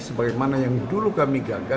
sebagaimana yang dulu kami gagah